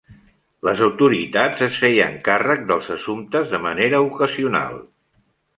Les autoritats es feien càrrec dels assumptes de manera ocasional.